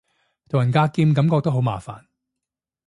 同人格劍感覺都好麻煩